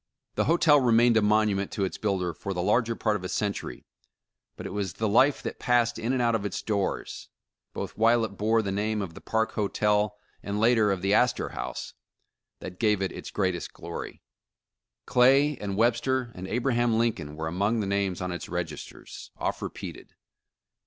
The hotel remained a monument to its builder for the larger part of a century, but it was the life that passed in and out of its doors, both while it bore the name of the Park Hotel, and later of the Astor House, that gave it its greatest glory. Clay and Webster and Abraham Lincoln were among the names on its registers, oft repeated.